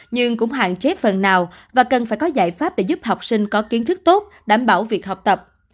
nhưng cũng hạn chế phần nào và cần phải có giải pháp để giúp học sinh có kiến thức tốt đảm bảo việc học tập